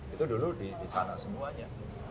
itu dulu di sana semuanya